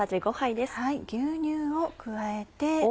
牛乳を加えて。